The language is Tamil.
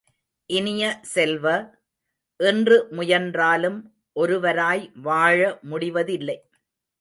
இனிய செல்வ, இன்று முயன்றாலும் ஒருவராய் வாழ முடிவதில்லை.